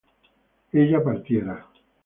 ella partiera